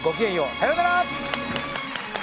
さようなら。